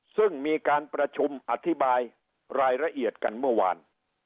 ซึ่งมีการประชุมอธิบายรายละเอียดกันเมื่อวาน